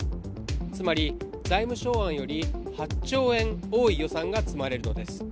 つまり、財務省案より８兆円多い予算が積まれるのです。